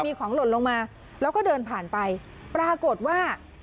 มีของหล่นลงมาแล้วก็เดินผ่านไปปรากฏว่า